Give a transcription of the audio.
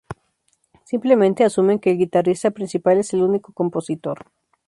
Simplemente asumen que el guitarrista principal es el Único compositor.